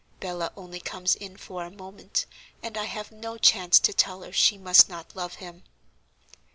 Bella only comes in for a moment, and I have no chance to tell her she must not love him."